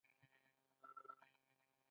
دا رواني دفاعي میکانیزم دی.